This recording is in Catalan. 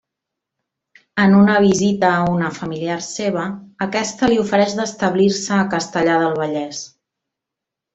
En una visita a una familiar seva, aquesta li ofereix d'establir-se a Castellar del Vallès.